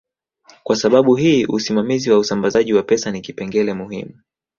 Kwa sababu hii usimamizi wa usambazaji wa pesa ni kipengele muhimu